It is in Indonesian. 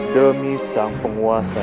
demi sang penguasa